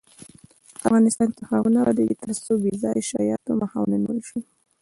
افغانستان تر هغو نه ابادیږي، ترڅو بې ځایه شایعاتو مخه ونیول نشي.